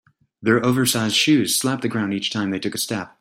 Their oversized shoes slapped the ground each time they took a step.